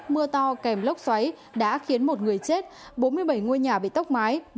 mưa to kèm lốc xoáy đã khiến một người chết bốn mươi bảy ngôi nhà bị tốc mái